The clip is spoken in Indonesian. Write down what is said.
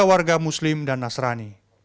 warga muslim dan nasrani